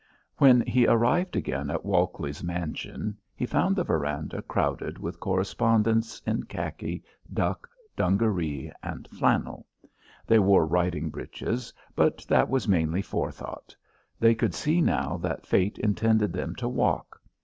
When he arrived again at Walkley's mansion he found the verandah crowded with correspondents in khaki, duck, dungaree and flannel. They wore riding breeches, but that was mainly forethought. They could see now that fate intended them to walk.